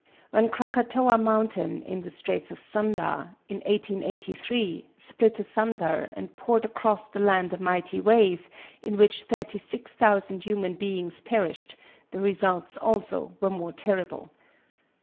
When Krakatoa Mountain, in the Straits of Sunda, in 1883, split asunder and poured across the land a mighty wave, in which thirty six thousand human beings perished, the results also were more terrible.